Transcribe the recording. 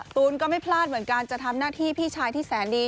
ตูนก็ไม่พลาดเหมือนกันจะทำหน้าที่พี่ชายที่แสนดี